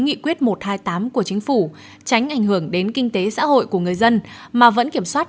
nghị quyết một trăm hai mươi tám của chính phủ tránh ảnh hưởng đến kinh tế xã hội của người dân mà vẫn kiểm soát